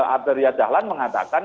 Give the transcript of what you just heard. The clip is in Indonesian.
art riyad zahlan mengatakan